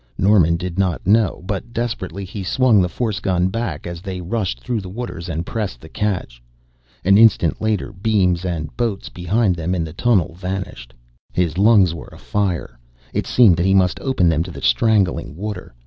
Norman did not know, but desperately he swung the force gun back as they rushed through the waters, and pressed the catch. An instant later beams and boats behind them in the tunnel vanished. His lungs were afire; it seemed that he must open them to the strangling water.